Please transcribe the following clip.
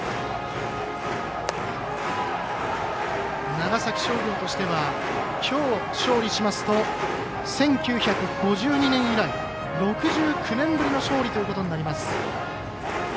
長崎商業としてはきょう、勝利しますと１９５２年以来、６９年ぶりの勝利ということになります。